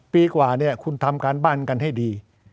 ปีกว่าเนี่ยคุณทำการบ้านกันให้ดี